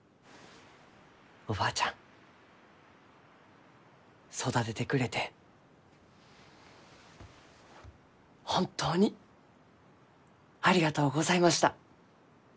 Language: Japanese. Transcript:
おばあちゃん育ててくれて本当にありがとうございました。